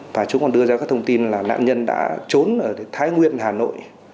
và chúng còn đưa ra các thông tin là nạn nhân đã trốn ở thái nguyên hà nội